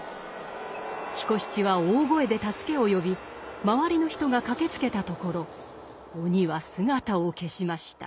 彦七は大声で助けを呼び周りの人が駆けつけたところ鬼は姿を消しました。